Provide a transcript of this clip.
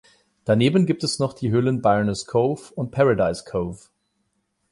Daneben gibt es noch die Höhlen "Byrnes Cove" und "Paradise Cove".